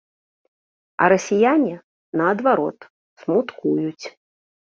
А расіяне, наадварот, смуткуюць.